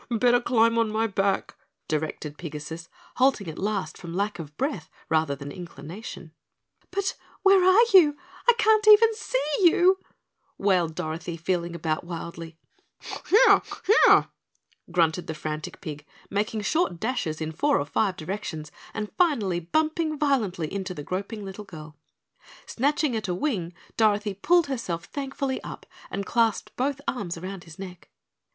"B b b better climb on my back," directed Pigasus, halting at last from lack of breath rather than inclination. "But where are you? I can't even see you!" wailed Dorothy, feeling about wildly. "Here, here," grunted the frantic pig, making short dashes in four or five directions and finally bumping violently into the groping little girl. Snatching at a wing, Dorothy pulled herself thankfully up and clasped both arms round his neck.